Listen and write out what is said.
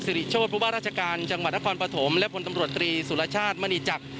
ซิริชโชพบุมราชการจังหวัดนครปฐมและพลตำรวจตรีศุลจาชบนิจจักร